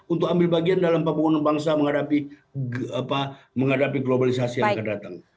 untuk ambil bagian dalam pembangunan bangsa menghadapi globalisasi yang akan datang